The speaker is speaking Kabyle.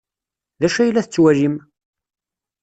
D acu ay la tettwalim?